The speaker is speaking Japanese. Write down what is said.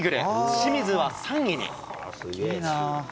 清水は３位に。